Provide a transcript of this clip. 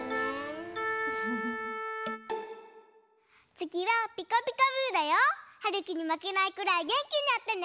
つぎは「ピカピカブ！」だよ。はるきにまけないくらいげんきにやってね！